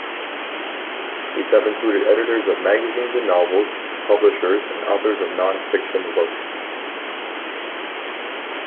These have included editors of magazines and novels, publishers, and authors of non-fiction works.